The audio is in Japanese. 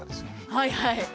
はいはい。